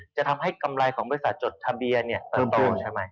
จะทำให้กำไรของบริษัทจดทะเบียนเติบโตใช่ไหม